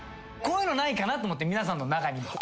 こういうのないかなと思って皆さんの中に。